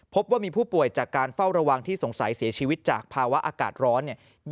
พบว่ามีผู้ป่วยจากการเฝ้าระวังที่สงสัยเสียชีวิตจากภาวะอากาศร้อนเนี่ย